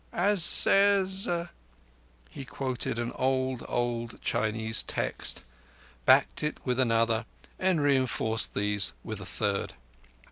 As says ..." He quoted an old, old Chinese text, backed it with another, and reinforced these with a third.